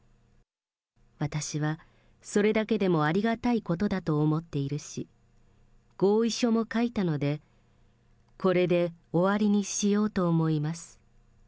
私はそれだけでもありがたいことだと思っているし、合意書も書いたので、これで終わりにしようと思います。